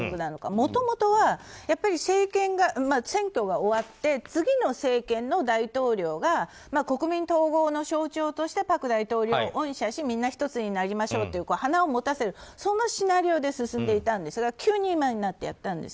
もともとは選挙が終わって次の政権の大統領が国民統合の象徴として朴大統領を恩赦しみんな１つになりましょうと花を持たせる、そのシナリオで進んでいたんですが急に今になってやったんです。